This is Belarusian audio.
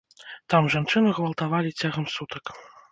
Там жанчыну гвалтавалі цягам сутак.